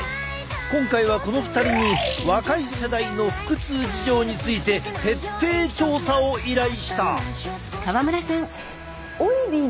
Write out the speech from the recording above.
今回はこの２人に若い世代の腹痛事情について徹底調査を依頼した！